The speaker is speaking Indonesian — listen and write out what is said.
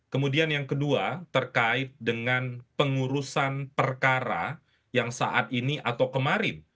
kemudian yang kedua terkait dengan pengurusan perkara yang saat ini atau kemarin